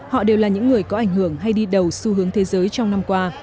họ đều là những người có ảnh hưởng hay đi đầu xu hướng thế giới trong năm qua